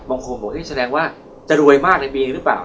บางคนบอกแสดงว่าจะรวยมากในปีนี้หรือเปล่า